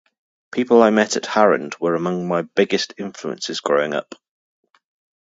People I met at Harand were among my biggest influences growing up.